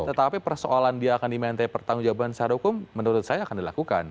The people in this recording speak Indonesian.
tetapi persoalan dia akan diminta pertanggung jawaban secara hukum menurut saya akan dilakukan